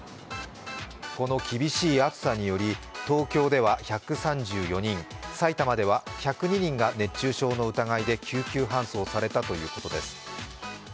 この厳しい暑さにより東京では１３４人、埼玉では１０２人が熱中症の疑いで救急搬送されたということです。